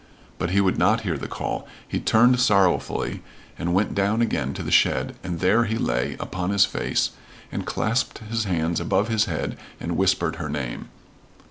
But he would not hear the call. He turned sorrowfully and went down again to the shed and there he lay upon his face and clasped his hands above his head and whispered her name.